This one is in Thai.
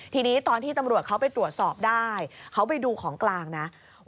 ทีนี้ตอนที่ตำรวจเขาไปตรวจสอบได้เขาไปดูของกลางนะ